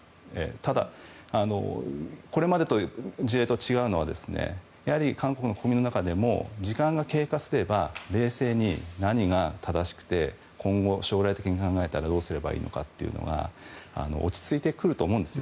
ただ、これまでの事例と違うのはやはり韓国の国民の中でも時間が経過すれば冷静に何が正しくて今後、将来的に考えたらどうすればいいのかというのは落ち着いてくると思うんです。